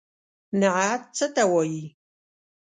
نعت څه ته وايي؟